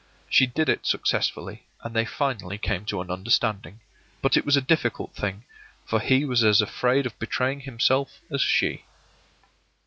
She did it successfully, and they finally came to an understanding; but it was a difficult thing, for he was as afraid of betraying himself as she.